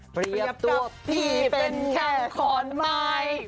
เหปกับพี่เป็นแค่กรหมาย